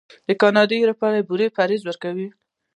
د کاندیدا لپاره د بورې پرهیز وکړئ